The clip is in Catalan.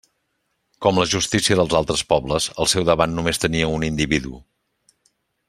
Com la justícia dels altres pobles, al seu davant només tenia un individu.